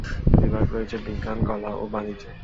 বিভাগ রয়েছে: বিজ্ঞান, কলা ও বাণিজ্য।